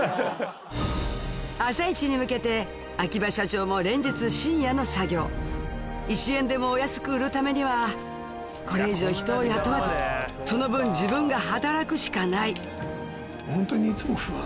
朝市に向けて秋葉社長も連日深夜の作業１円でも安く売るためにはこれ以上人を雇わずその分自分が働くしかないホントに。